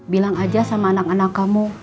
bilang aja sama anak anak kamu